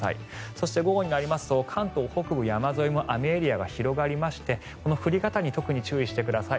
そして、午後になりますと関東北部山沿いも雨エリアが広がりまして降り方に特に注意してください。